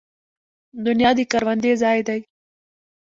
دنیا د کروندې ځای دی